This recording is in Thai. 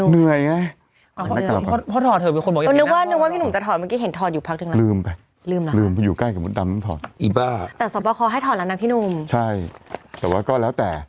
นุ่มนวลมั้ยมาแบบนุ่มนวล